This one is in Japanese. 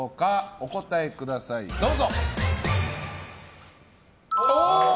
お答えください、どうぞ。